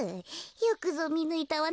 よくぞみぬいたわね